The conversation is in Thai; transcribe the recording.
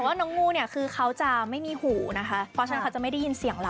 ว่าน้องงูเนี่ยคือเขาจะไม่มีหูนะคะเพราะฉะนั้นเขาจะไม่ได้ยินเสียงเรา